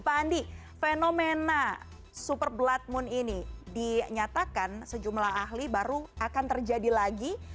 pak andi fenomena super blood moon ini dinyatakan sejumlah ahli baru akan terjadi lagi